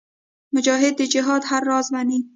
مجاهد د جهاد هر راز منې.